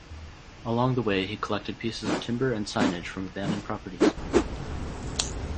Along the way he collected pieces of timber and signage from abandoned properties.